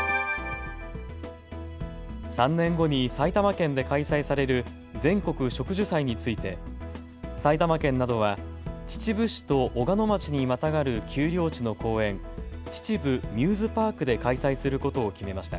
３年後に埼玉県で開催される全国植樹祭について埼玉県などは秩父市と小鹿野町にまたがる丘陵地の公園、秩父ミューズパークで開催することを決めました。